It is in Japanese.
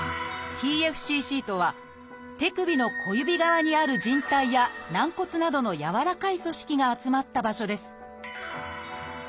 「ＴＦＣＣ」とは手指の小指側にある靭帯や軟骨などの軟らかい組織が集まった場所です。